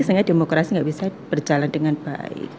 sehingga demokrasi tidak bisa berjalan dengan baik